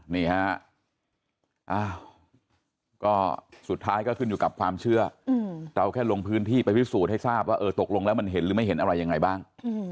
นี่ฮะอ้าวก็สุดท้ายก็ขึ้นอยู่กับความเชื่อเราแค่ลงพื้นที่ไปพิสูจน์ให้ทราบว่าเออตกลงแล้วมันเห็นหรือไม่เห็นอะไรยังไงบ้าง